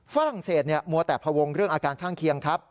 ฝรั่งเศสมัวแต่พวงเรื่องอาการข้างเคียงครับ